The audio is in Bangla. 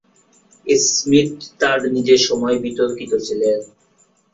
স্মিথ তার নিজের সময়ে বিতর্কিত ছিলেন।